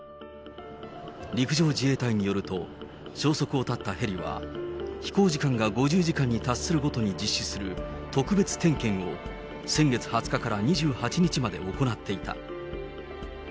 陸上自衛隊によると、消息を絶ったヘリは、飛行時間が５０時間に達するごとに実施する特別点検を、先月２０日から２８日まで行っていた。